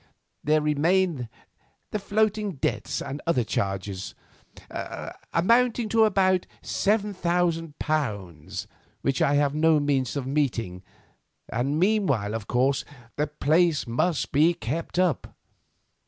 There remain the floating debts and other charges, amounting in all to about £7,000, which I have no means of meeting, and meanwhile, of course, the place must be kept up.